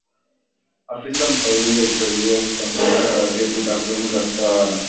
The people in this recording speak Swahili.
Afisa Mfawidhi aliteuliwa kukamilisha taratibu takwimu za kiutawala